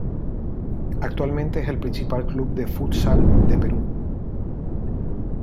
Actualmente es el principal club de futsal del Perú.